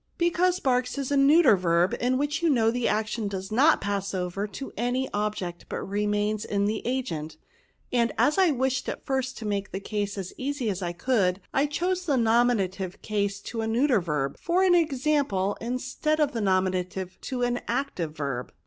" Because * barks* is a neuter verb, in which you know, the action does not pass over to any object, but remains in the agent; and, as I wished at first, to make the case as easy as I could, I chose the nominative case to a neuter verb, for an example, instead of the nominative to an active verb."